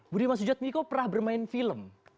budiman sujatmiko pernah bermain film